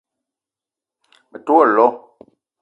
Me te wo lo